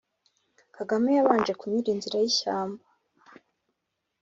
Kagame yabanje kunyura inzira yishyamba